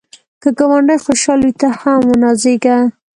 که ګاونډی خوشحال وي، ته هم ونازېږه